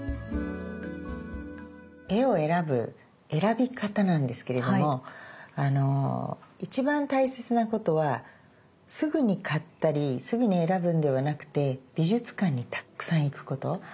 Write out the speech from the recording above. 絵を選ぶ選び方なんですけれども一番大切なことはすぐに買ったりすぐに選ぶんではなくて美術館にたくさん行くこと。